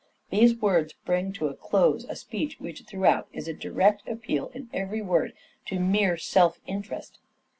These words bring to a close a speech which, throughout, is a direct appeal in every word to mere self interest.